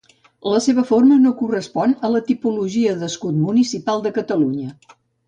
La seva forma no correspon a la tipologia d'escut municipal de Catalunya.